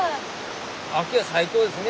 秋は最高ですね。